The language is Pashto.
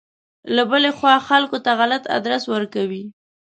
له بلې خوا خلکو ته غلط ادرس ورکوي.